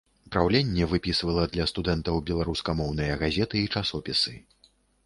Праўленне выпісвала для студэнтаў беларускамоўныя газеты і часопісы.